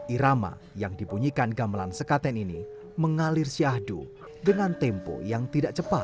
irama yang dibunyikan gamelan sekaten ini mengalir syahdu dengan tempo yang tidak cepat